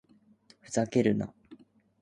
ふざけるな